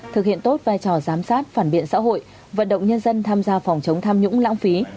thực hiện tốt vai trò giám sát phản biện xã hội vận động nhân dân tham gia phòng chống tham nhũng lãng phí